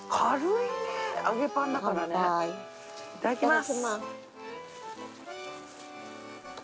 いただきます。